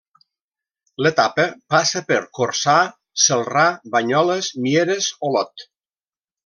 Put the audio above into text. L'etapa passa per Corçà, Celrà, Banyoles, Mieres, Olot.